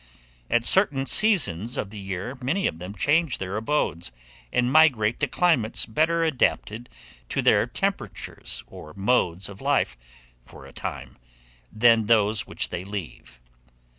At certain seasons of the year, many of them change their abodes, and migrate to climates better adapted to their temperaments or modes of life, for a time, than those which they leave.